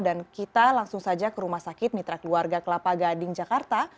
dan kita langsung saja ke rumah sakit mitra keluarga kelapa gading jakarta